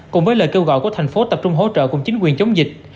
cùng với lời kêu gọi của thành phố tập trung hỗ trợ cùng chính quyền chống dịch